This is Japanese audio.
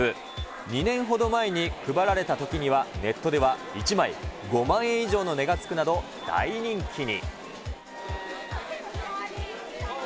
２年ほど前に配られたときには、ネットでは１枚５万円以上の値がつくなど大人気に。